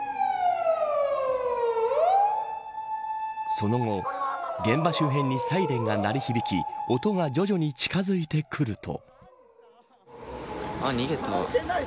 その後、現場周辺にサイレンが鳴り響き音が徐々に近づいてくると。